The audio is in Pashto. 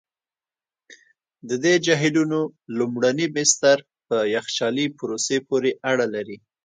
د دې جهیلونو لومړني بستر په یخچالي پروسې پوري اړه لري.